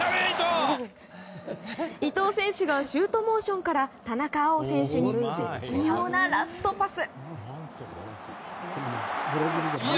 伊東選手がシュートモーションから田中碧選手に絶妙なラストパス。